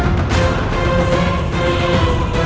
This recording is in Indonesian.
aku akan mencari dia